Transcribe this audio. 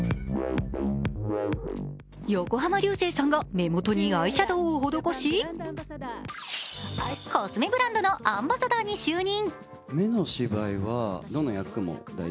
横浜流星さんが目元にアイシャドウを施しコスメブランドのアンバサダーに就任。